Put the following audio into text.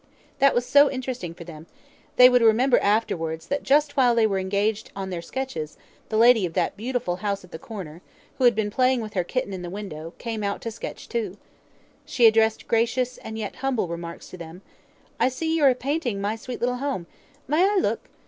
That was so interesting for them: they would remember afterwards that just while they were engaged on their sketches, the lady of that beautiful house at the corner, who had been playing with her kitten in the window, came out to sketch too. She addressed gracious and yet humble remarks to them: "I see you are painting my sweet little home. May I look?